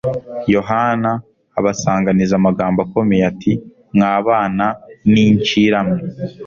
Yohana abasanganiza amagambo akomeye ati, ''Mwa bana n'incira mwe,